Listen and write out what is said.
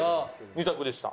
２択でした。